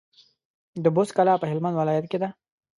د بُست کلا په هلمند ولايت کي ده